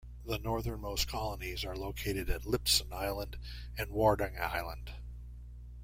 The northernmost colonies are located at Lipson Island and Wardang Island.